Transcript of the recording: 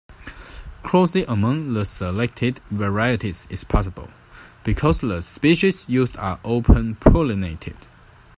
Crossing among the selected varieties is possible because the species used are open pollinated.